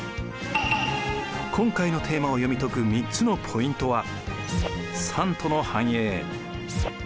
今回のテーマを読み解く３つのポイントは。